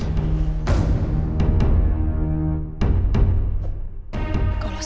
sampai kamu ngelakuin hal itu